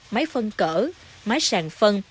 máy phân cỡ máy sàn phân